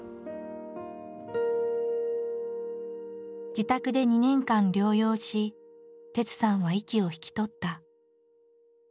自宅で２年間療養し哲さんは息を引き取った。